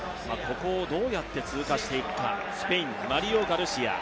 ここをどうやって通過していくか、スペイン、マリオ・ガルシア。